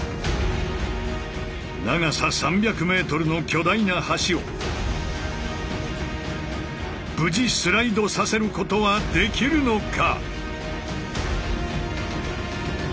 長さ３００ｍの巨大な橋を無事スライドさせることはできるのか！